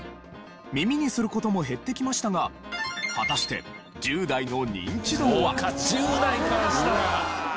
耳にする事も減ってきましたが果たしてそうか１０代からしたら。